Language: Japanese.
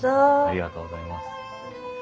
ありがとうございます。